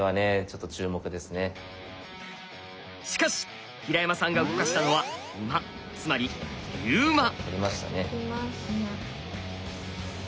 しかし平山さんが動かしたのは馬つまり龍馬。